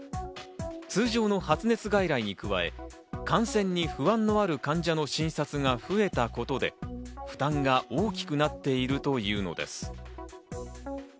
通常の発熱外来に加え、感染に不安のある患者の診察が増えたことで、負担が大きくなっているというのです。